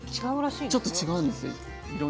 ちょっと違うんです色によって。